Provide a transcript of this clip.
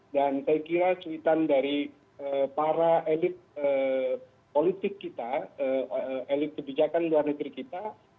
dan saya kira cuitan dari para elit politik kita elit kebijakan luar negeri kita